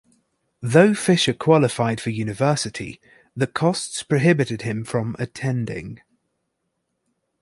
Though Fisher qualified for university, the costs prohibited him from attending.